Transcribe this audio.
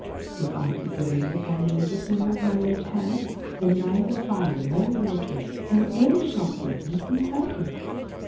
If I put the ring upon the middle finger of my left hand, then neither fire nor water nor any sharp weapon can hurt me.